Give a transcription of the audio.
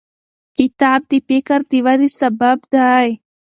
کتاب د فکر د ودې سبب دی.